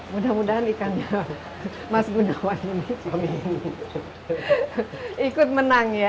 mudah mudahan ikannya mas gunawan ini ikut menang ya